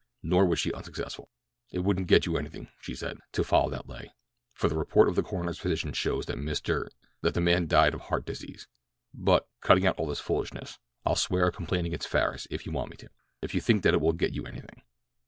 Nor was she unsuccessful. "It wouldn't get you anything," she said, "to follow that lay, for the report of the coroner's physician shows that Mr.—that the man died of heart disease. But, cutting out all this foolishness, I'll swear a complaint against Farris if you want me to—if you think that it will get you anything.